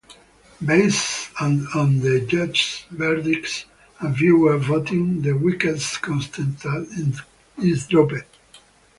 Based on the judges' verdicts and viewer voting, the weakest contestant is dropped.